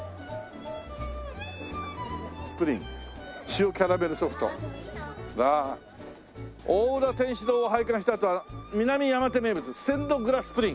「プリン」「塩キャラメルソフト」「大浦天主堂を拝観した後には南山手名物ステンドグラスプリン」